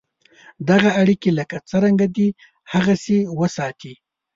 دغه اړیکي لکه څرنګه دي هغسې وساتې.